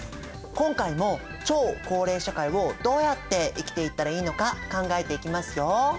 今回も超高齢社会をどうやって生きていったらいいのか考えていきますよ。